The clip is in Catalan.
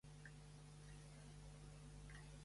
Em dic Rauric Brun: be, erra, u, ena.